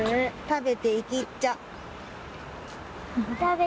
「食べて行きっちゃ！」